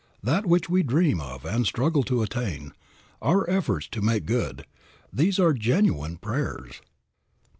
That which we dream of and struggle to attain, our efforts to make good; these are genuine prayers.